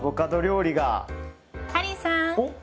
ハリーさん！